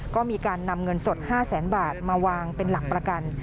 ก็มีการนำเงินสด๕แสนบาทมาวางเป็นหลักประกัน